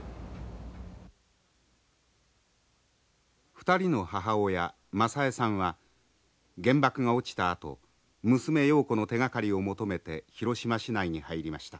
２人の母親雅枝さんは原爆が落ちたあと娘瑤子の手がかりを求めて広島市内に入りました。